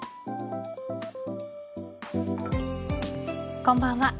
こんばんは。